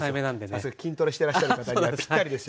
さすが筋トレしてらっしゃる方にならぴったりですよ。